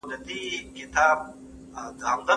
زموږ څخه نور واخلــې